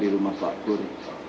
di rumah pak pur